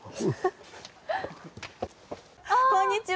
こんにちは。